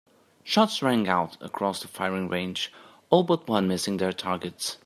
Shots rang out across the firing range, all but one missing their targets.